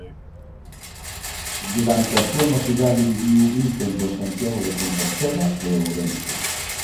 Durante a súa mocidade viviu un tempo en Santiago de Compostela e Ourense.